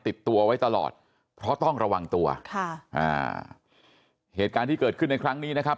ติดตัวไว้ตลอดเพราะต้องระวังตัวค่ะอ่าเหตุการณ์ที่เกิดขึ้นในครั้งนี้นะครับ